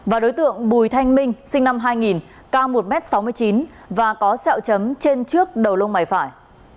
và đối tượng bùi thanh minh sinh năm hai nghìn cao một m sáu mươi chín và có sẹo chấm trên trước đầu lông mày phải